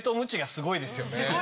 すごいですね。